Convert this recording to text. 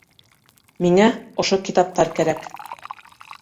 Миңә ошо китаптар кәрәк.